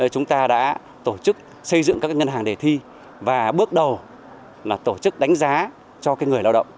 chúng ta đã tổ chức xây dựng các ngân hàng đề thi và bước đầu tổ chức đánh giá cho người lao động